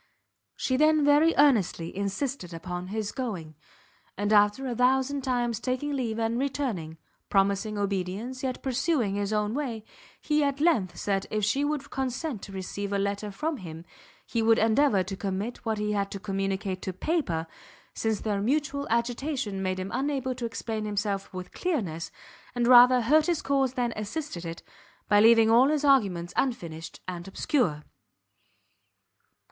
She then very earnestly insisted upon his going; and after a thousand times taking leave and returning, promising obedience, yet pursuing his own way, he at length said if she would consent to receive a letter from him, he would endeavour to commit what he had to communicate to paper, since their mutual agitation made him unable to explain himself with clearness, and rather hurt his cause than assisted it, by leaving all his arguments unfinished and obscure.